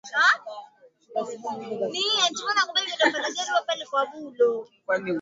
ya mwaka elfu moja mia saba themanini na tisa na mwaka elfu moja mia